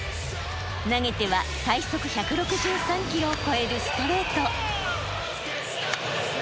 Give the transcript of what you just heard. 投げては最速１６３キロを超えるストレート。